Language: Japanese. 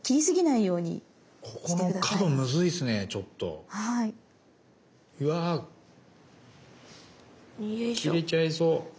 うわ切れちゃいそう。